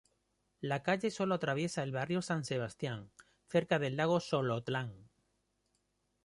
La calle sólo atraviesa el barrio San Sebastián, cerca del Lago Xolotlán.